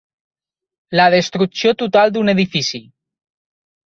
La destrucció total d'un edifici.